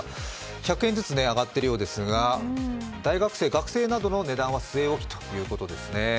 １００円ずつ上がっているようですが大学生、学生などの値段は据え置きということですね。